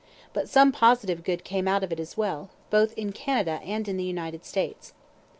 But some positive good came out of it as well, both in Canada and in the United States.